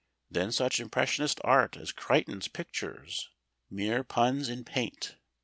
Then such impressionist art as Crichton's pictures, mere puns in paint.